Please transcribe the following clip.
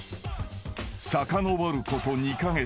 ［さかのぼること２カ月］